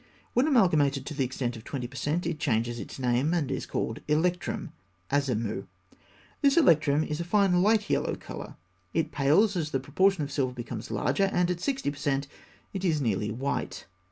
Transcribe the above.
When amalgamated to the extent of 20 per cent, it changes its name, and is called electrum (asimû). This electrum is of a fine light yellow colour. It pales as the proportion of silver becomes larger, and at 60 per cent. it is nearly white.